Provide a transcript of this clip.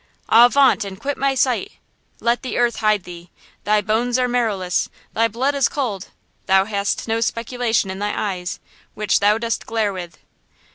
"'Avaunt! and quit my sight! Let the earth hide thee! Thy bones are marrowless! Thy blood is cold! Thou hast no speculation in those eyes Which thou dost glare with?'"